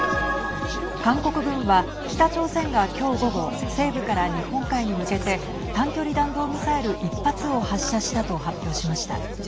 韓国軍は北朝鮮が今日、午後西部から日本海に向けて短距離弾道ミサイル１発を発射したと発表しました。